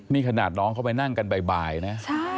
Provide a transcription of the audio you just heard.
นี่ขนาดน้องเขาไปนั่งกันบ่ายนะ